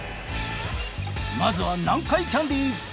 まずは南海キャンディーズ。